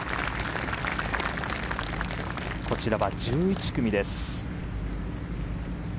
こちらは１１組です。